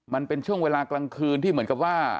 มันเป็นช่วงเวลากลางคืนที่เหมือนกับว่า